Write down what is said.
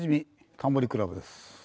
『タモリ倶楽部』です。